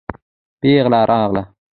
پېغله راغله.